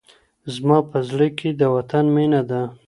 زما په زړه کي د وطن مينه ده.